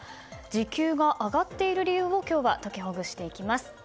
時給が上がっている理由を今日は解きほぐしていきます。